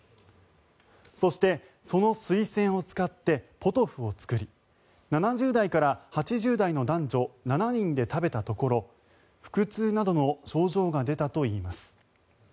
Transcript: そして、そのスイセンを使ってポトフを作り７０代から８０代の男女７人で食べたところ腹痛などの症状が出たといいます。